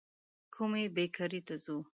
کومي بېکرۍ ته ځو ؟